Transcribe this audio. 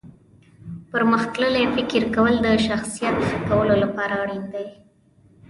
پرمختللي فکر کول د شخصیت ښه کولو لپاره اړین دي.